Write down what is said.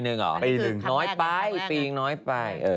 น้อยไปทิ้งน้อยไป